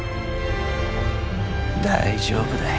大丈夫だい。